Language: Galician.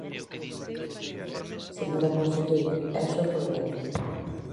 Señora conselleira, ese é o problema.